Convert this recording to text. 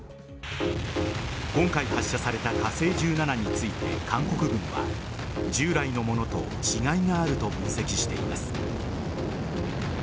今回発射された火星１７について韓国軍は従来のものと違いがあると分析しています。